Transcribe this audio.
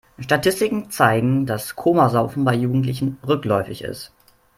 Statistiken zeigen, dass Komasaufen bei Jugendlichen rückläufig ist.